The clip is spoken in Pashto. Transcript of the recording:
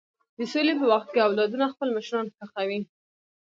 د سولې په وخت کې اولادونه خپل مشران ښخوي.